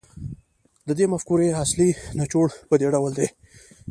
د دې مفکورې اصلي نچوړ په دې ډول و